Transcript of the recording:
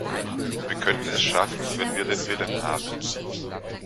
Wir können es schaffen, wenn wir den Willen haben.